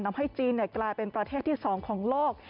ทำให้จีนกลายเป็นประเทศที่๒ของโลก